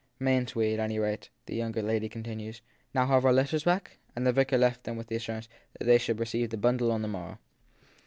Mayn t we, at any rate, the younger lady 260 THE THIRD PERSON continued, < now have our letters back ? And the vicar left them with the assurance that they should receive the bundle on the morrow.